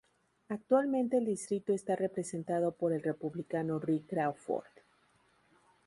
Actualmente el distrito está representado por el Republicano Rick Crawford.